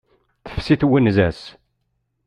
Tefsi twenza-s.